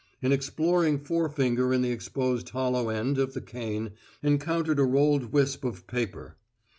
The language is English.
An exploring forefinger in the exposed hollow end of the cane encountered a rolled wisp of paper.